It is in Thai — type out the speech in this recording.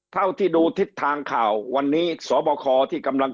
เท่าที่ดูทิศทางข่าววันนี้สบคที่กำลัง